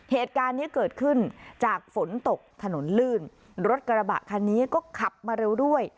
เหตุการณ์นี้เกิดขึ้นจากฝนตกถนนลื่นรถกระบะคันนี้ก็ขับมาเร็วด้วย